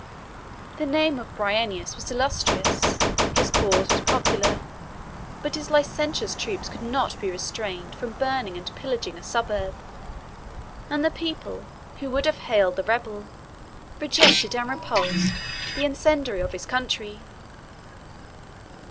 The name of Bryennius was illustrious; his cause was popular; but his licentious troops could not be restrained from burning and pillaging a suburb; and the people, who would have hailed the rebel, rejected and repulsed the incendiary of his country.